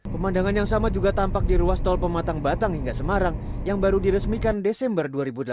pemandangan yang sama juga tampak di ruas tol pematang batang hingga semarang yang baru diresmikan desember dua ribu delapan belas